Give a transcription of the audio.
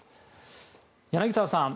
柳澤さん